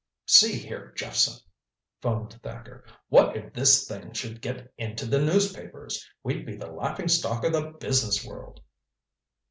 "See here, Jephson," foamed Thacker. "What if this thing should get into the newspapers? We'd be the laughing stock of the business world."